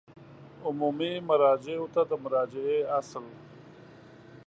عمومي مراجعو ته د مراجعې اصل